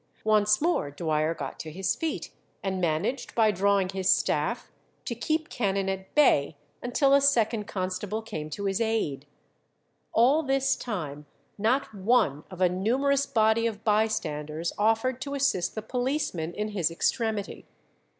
Once more Dwyer got to his feet, and managed, by drawing his staff, to keep Cannon at bay until a second constable came to his aid. All this time not one of a numerous body of bystanders offered to assist the policeman in his extremity.